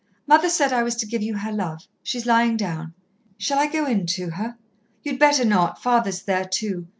Mother said I was to give you her love. She's lying down." "Shall I go in to her?" "You'd better not. Father's there too.